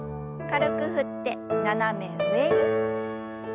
軽く振って斜め上に。